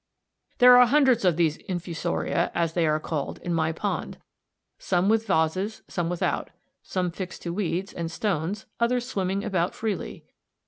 There are hundreds of these Infusoria, as they are called, in my pond, some with vases, some without, some fixed to weeds and stones, others swimming about freely.